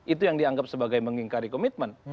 itu yang dianggap sebagai mengingkari komitmen